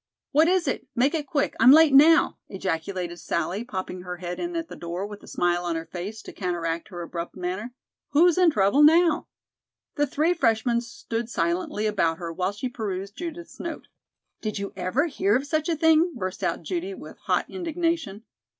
"What is it? Make it quick. I'm late now!" ejaculated Sallie, popping her head in at the door with a smile on her face to counteract her abrupt manner. "Who's in trouble now?" The three freshmen stood silently about her while she perused Judith's note. "Did you ever hear of such a thing?" burst out Judy with hot indignation.